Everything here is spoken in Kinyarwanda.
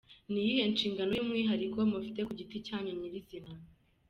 Ni iyihe nshingano y’umwihariko mufite ku giti cyanyu nyirizina?